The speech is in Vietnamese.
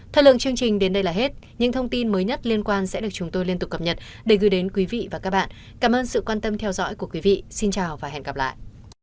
thời lượng chương trình đến đây là hết những thông tin mới nhất liên quan sẽ được chúng tôi liên tục cập nhật để gửi đến quý vị và các bạn cảm ơn sự quan tâm theo dõi của quý vị xin chào và hẹn gặp lại